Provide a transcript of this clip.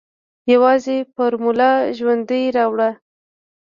يوازې فارموله ژوندۍ راوړه.